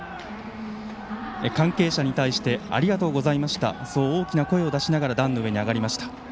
関係者に対してありがとうございましたとそう大きな声を出して壇の上に上がりました。